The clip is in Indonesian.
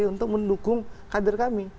untuk mendukung kader kami